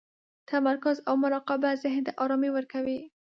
تمرکز او مراقبه ذهن ته ارامي ورکوي.